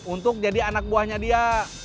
untuk jadi anak buahnya dia